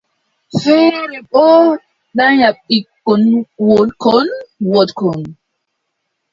Feere boo danya ɓikkon wooɗkon, wooɗkon.